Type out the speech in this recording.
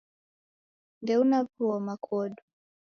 Ndeuna w'ughoma kodu